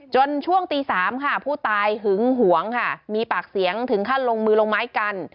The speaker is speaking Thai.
ช่วงตี๓ค่ะผู้ตายหึงหวงค่ะมีปากเสียงถึงขั้นลงมือลงไม้กัน